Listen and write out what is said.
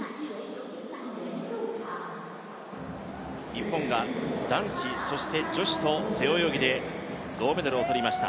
日本が男子、そして女子と背泳ぎで銅メダルを取りました。